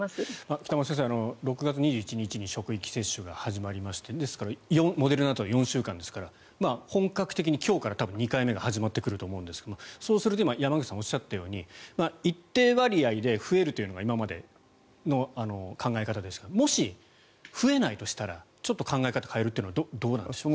北村先生、６月２１日に職域接種が始まりましてモデルナは４週間ですから本格的に今日から２回目が始まってくると思うんですがそうすると今山口さんがおっしゃったように一定割合で増えるというのが今までの考え方でしたがもし、増えないとしたらちょっと考え方を変えるというのはどうなんでしょうか。